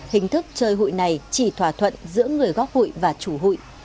hình thức chơi hụi này chỉ thỏa thuận giữa người góp hụi và chủ hụi